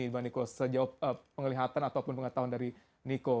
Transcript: bang niko sejauh penglihatan ataupun pengetahuan dari niko